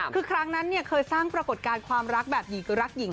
คือครั้งนั้นเคยสร้างปรากฏการณ์ความรักแบบหญิงคือรักหญิง